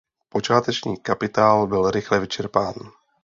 Počáteční kapitál byl rychle vyčerpán.